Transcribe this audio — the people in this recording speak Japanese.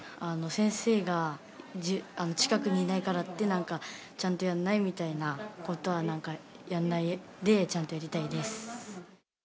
先生が近くにいないからって、ちゃんとやんないみたいなことは、なんかやんないで、ちゃんとやりたいです。